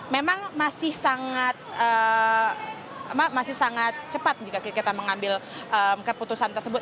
memang masih sangat cepat jika kita mengambil keputusan tersebut